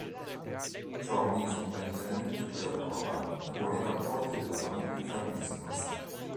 Ciò mise momentaneamente a dura prova i buoni rapporti della famiglia Farnese con Siena.